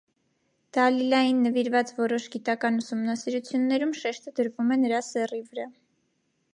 Դալիլային նվիրված որոշ գիտական ուսումնասիրություններում շեշտը դրվում է նրա սեռի վրա։